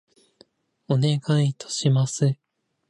お願い致します。